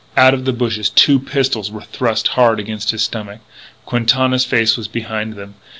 Out of the bushes two pistols were thrust hard against his stomach. Quintana's face was behind them.